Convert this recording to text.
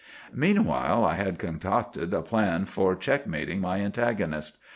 "Meanwhile I had concocted a plan for check mating my antagonist.